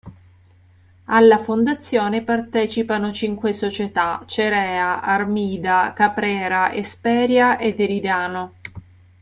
Alla fondazione partecipano cinque società: Cerea, Armida, Caprera, Esperia ed Eridano.